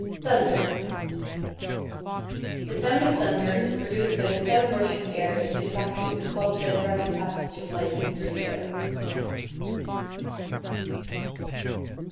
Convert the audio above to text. =Thunder.= The sound of thunder is produced by the sudden rush of the air into the vacuum caused by the rapid passage of lightning through the air.